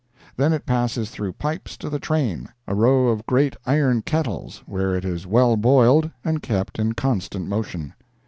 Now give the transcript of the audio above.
Then it passes through pipes to the "train"—a row of great iron kettles, where it is well boiled and kept in constant motion.